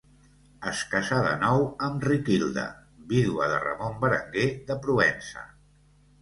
Es casà de nou amb Riquilda, vídua de Ramon Berenguer de Provença.